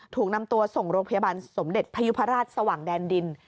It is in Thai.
ถูกนำตัวส่งโรงพยาบาลสมเด็จพยุพราชสว่างแดนดิน